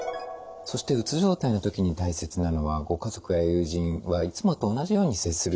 そしてうつ状態の時に大切なのはご家族や友人はいつもと同じように接するということですね。